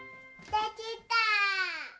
できた！